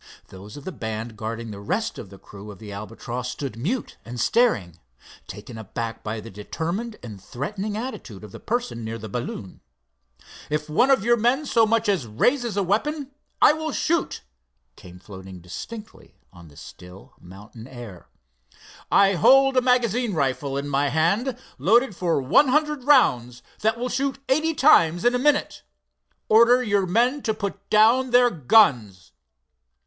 Those of the band guarding the rest of the crew of the Albatross stood mute and staring, taken aback by the determined and threatening attitude of the person near the balloon. "If one of your men so much as raises a weapon, I will shoot," came floating distinctly on the still mountain air. "I hold a magazine rifle in my hand loaded for one hundred rounds, that will shoot eighty times in a minute. Order your men to put down their guns."